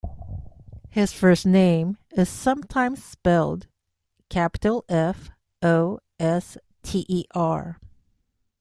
His first name is sometimes spelled "Foster".